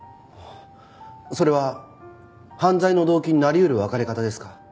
それは犯罪の動機になり得る別れ方ですか？